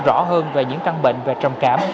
rõ hơn về những căn bệnh về trầm cảm